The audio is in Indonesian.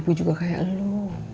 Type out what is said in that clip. ibu kan juga kayak lo